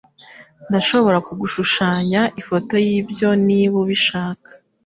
Ndashobora kugushushanya ifoto yibyo niba ubishaka.